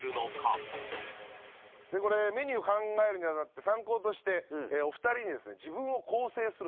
メニュー考えるに当たって参考としてお二人にですね。